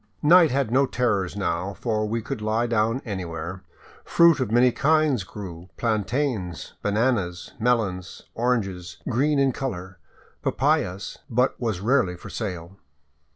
Night had no terrors now, for we could lie down anywhere. Fruit of many kinds grew, — plantains, bananas, melons, oranges green in color, papayas, — but was rarely for sale.